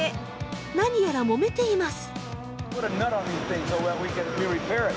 何やらもめています。